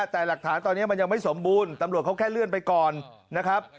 แต่หลักฐานตอนนี้มันยังไม่สมบูรณ์ตำรวจเขาแค่เลื่อนไปก่อนนะครับ